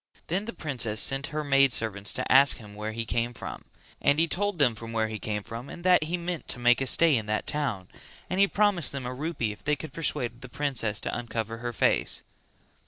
Then the princess sent her maid servants to ask him where he came from; and he told them where he came from and that he meant to make a stay in that town, and he promised them a rupee if they could persuade the princess to uncover her face.